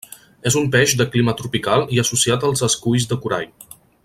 És un peix de clima tropical i associat als esculls de corall.